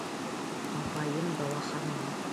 Апайым дауаханала.